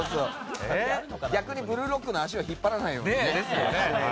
逆に「ブルーロック」の足を引っ張らないように。